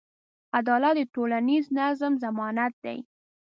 عدالت د ټولنیز نظم ضمانت دی.